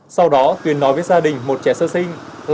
sau đó tuyền nói với gia đình một trẻ sơ sinh